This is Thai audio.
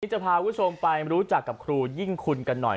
จะพาคุณผู้ชมไปรู้จักกับครูยิ่งคุณกันหน่อย